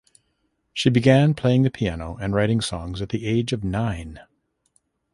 She began playing the piano and writing songs at the age of nine.